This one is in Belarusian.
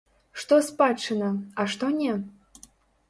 Што спадчына, а што не?